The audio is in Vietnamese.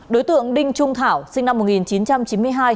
đối tượng đinh trung thảo sinh năm một nghìn chín trăm chín mươi hai